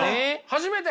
初めて！